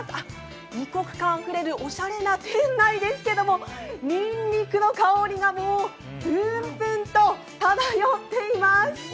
異国間あふれるおしゃれな店内ですけれども、にんにくの香りがもう、プンプンと漂っています。